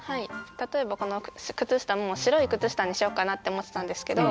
例えばこの靴下も白い靴下にしようかなって思ってたんですけど